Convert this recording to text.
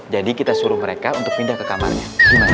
jadi kita suruh mereka untuk pindah ke kamarnya gimana